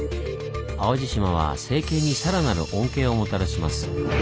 淡路島は政権にさらなる恩恵をもたらします。